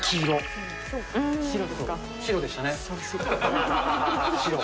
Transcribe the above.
白でしたか。